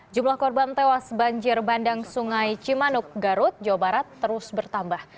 jumlah korban tewas banjir bandang sungai cimanuk garut jawa barat terus bertambah